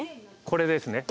これですね。